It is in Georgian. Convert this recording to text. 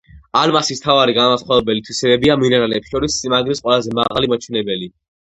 ალმასის მთავარი განმასხვავებელი თვისებებია მინერალებს შორის სიმაგრის ყველაზე მაღალი მაჩვენებელი,